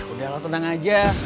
udah lo tenang aja